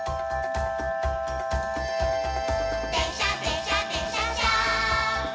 「でんしゃでんしゃでんしゃっしゃ」